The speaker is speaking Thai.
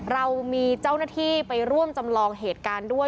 เรามีเจ้าหน้าที่ไปร่วมจำลองเหตุการณ์ด้วย